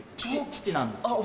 父なんですけど。